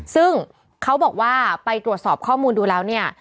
ซึ่งเขาบอกว่าไปตรวจสอบข้อมูลดูแล้วเนี่ย